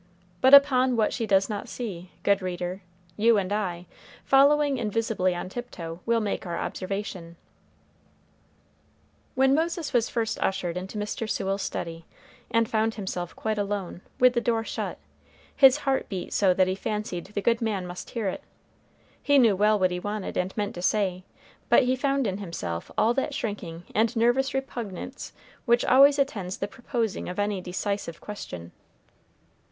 But, upon what she does not see, good reader, you and I, following invisibly on tiptoe, will make our observations. When Moses was first ushered into Mr. Sewell's study, and found himself quite alone, with the door shut, his heart beat so that he fancied the good man must hear it. He knew well what he wanted and meant to say, but he found in himself all that shrinking and nervous repugnance which always attends the proposing of any decisive question.